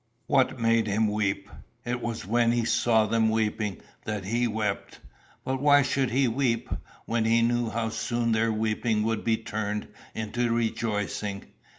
What made him weep? It was when he saw them weeping that he wept. But why should he weep, when he knew how soon their weeping would be turned into rejoicing?